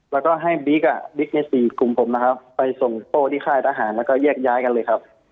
แล้วก็ให้บิ๊กอ่ะบิ๊กใน๔กลุ่มผมนะครับไปส่งโต้ที่ค่ายทหารแล้วก็แยกย้ายกันเลยครับ